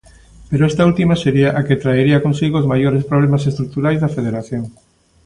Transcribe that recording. Pero esta última sería a que traería consigo os maiores problemas estruturais da Federación.